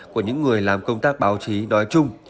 của những người làm công tác báo chí nói chung